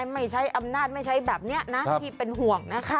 ไม่ใช้อำนาจไม่ใช้แบบนี้นะที่เป็นห่วงนะคะ